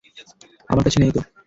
আমার কাছে নেই তো।